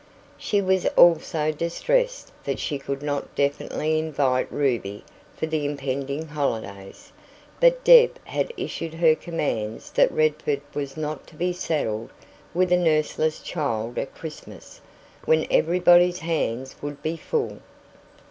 She was also distressed that she could not definitely invite Ruby for the impending holidays. But Deb had issued her commands that Redford was not to be saddled with a nurseless child at Christmas, when everybody's hands would be full.